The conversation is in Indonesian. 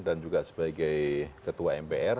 dan juga sebagai ketua mpr